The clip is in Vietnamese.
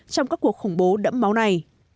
trong các cuộc khủng bố đẫm máu này